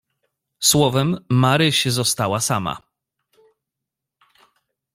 "Słowem, Maryś została sama."